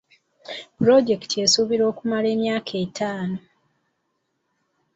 Pulojekiti esuubirwa okumala emyaka etaano.